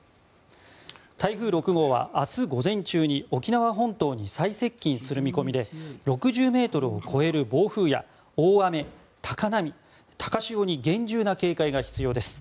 台風６号は明日午前中に沖縄本島に最接近する見込みで６０ｍを超える暴風や大雨、高波、高潮に厳重な警戒が必要です。